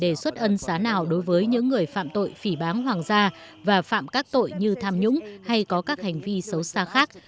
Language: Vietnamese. đề xuất ân xá nào đối với những người phạm tội phỉ bán hoàng gia và phạm các tội như tham nhũng hay có các hành vi xấu xa khác